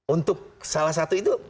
untuk salah satu itu